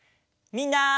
みんな。